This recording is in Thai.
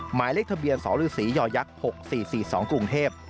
หมายเลขทะเบียนสรศรีย๖๔๔๒กรุงเทพ